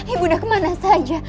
ibu nda kemana saja